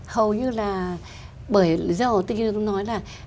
hầu như là bởi lý do tự nhiên tôi nói là